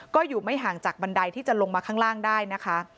ก็อยู่ไม่ห่างจากบันไดที่จะลงมาข้างล่างได้นะคะ